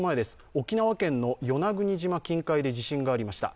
沖縄県の与那国島近海で地震がありました。